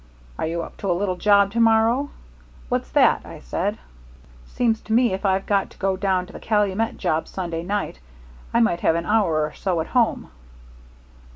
'Are you up to a little job to morrow?' 'What's that?' I said. 'Seems to me if I've got to go down to the Calumet job Sunday night I might have an hour or so at home.'